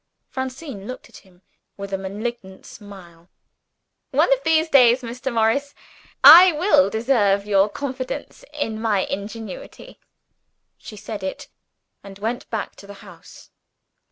Francine looked at him, with a malignant smile. "One of these days, Mr. Morris I will deserve your confidence in my ingenuity." She said it, and went back to the house.